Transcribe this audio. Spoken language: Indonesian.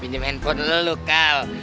pinjam handphone dulu kal